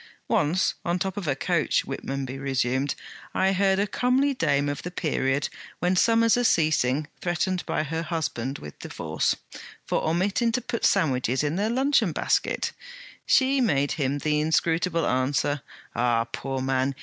'Once, on the top of a coach,' Whitmonby resumed, 'I heard a comely dame of the period when summers are ceasing threatened by her husband with a divorce, for omitting to put sandwiches in their luncheon basket. She made him the inscrutable answer: "Ah, poor man!